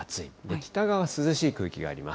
北側は涼しい空気があります。